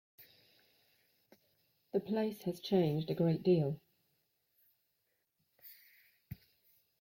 The place has changed a great deal.